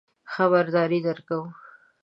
خبرداری درکوو.